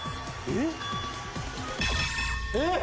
えっ⁉